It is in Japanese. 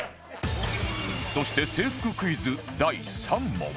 そして制服クイズ第３問